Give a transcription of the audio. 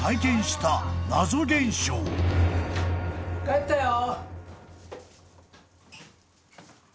帰ったよ。